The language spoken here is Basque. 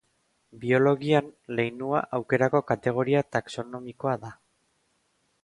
Biologian leinua aukerako kategoria taxonomikoa da.